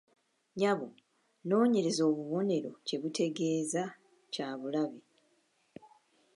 Nnyabo, noonyereza obubonero kye butegeeza Kya bulabe.